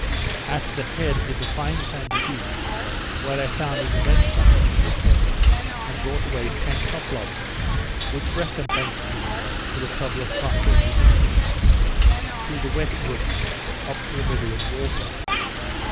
At the head is a fine sandy beach, where I found an immense number of wood hens, and brought away ten couple of them, which recompensed me for the trouble of crossing the isthmus, through the wet woods, up to the middle in water.